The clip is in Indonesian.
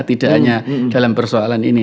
tidak hanya dalam persoalan ini